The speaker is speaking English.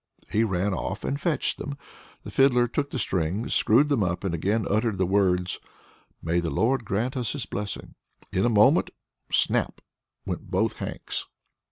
He ran off and fetched them. The Fiddler took the strings, screwed them up, and again uttered the words: "May the Lord grant us his blessing!" In a moment snap went both hanks.